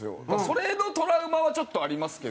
それのトラウマはちょっとありますけど。